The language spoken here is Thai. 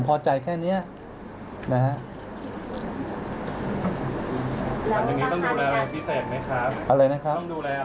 ขอบคุณพี่ด้วยนะครับ